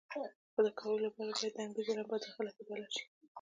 خو د کولو لپاره یې باید د انګېزې لمبه داخله کې بله شي.